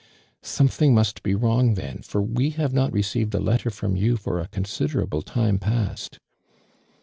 " Something must be wrong then, for we have not received a letter from you for a considerable time past."